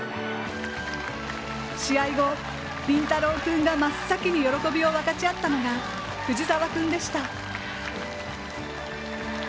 試合後、麟太郎君が真っ先に喜びを分かち合ったのが藤澤君でした。